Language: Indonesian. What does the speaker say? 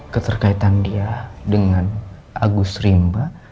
keterkaitan dia dengan agus rimba